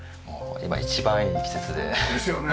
今一番いい季節で。ですよね。